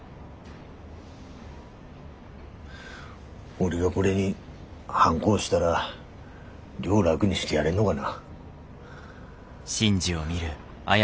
俺がこれにハンコ押したら亮楽にしてやれんのがな。